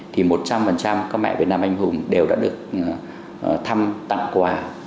thì một trăm linh các mẹ việt nam anh hùng đều đã được thăm tặng quà